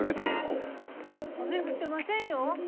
雨降ってませんよ。